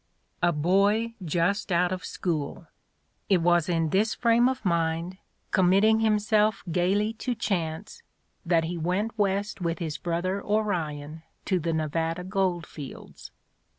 A boy just out of school! It was in this frame of mind, committing himself gaily to chance, that he went West with his brother Orion to the Nevada gold fields.